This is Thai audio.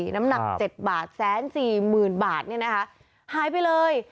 น้ำหนัก๗บาทแสนสี่หมื่นบาทเนี่ยนะคะหายไปเลย